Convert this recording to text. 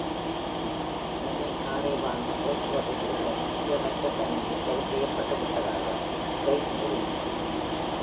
பொம்மை காரை வாங்கி பொருத்துவதில் உள்ள நிச்சயமற்றத்தன்மை சரி செய்யப்பட்டுவிட்டதாக ரெய்க் கூறினார்.